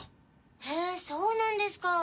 へぇそうなんですか。